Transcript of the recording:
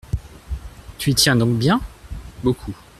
Tu y tiens donc bien ? Beaucoup.